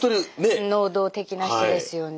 能動的な人ですよね。